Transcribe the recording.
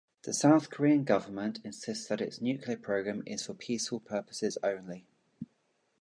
The South Korean government insists that its nuclear program is for peaceful purposes only.